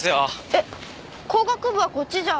えっ工学部はこっちじゃ。